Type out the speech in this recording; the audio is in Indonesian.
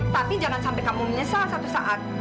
tapi jangan sampai kamu menyesal satu saat